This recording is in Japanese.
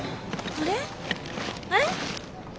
あれ。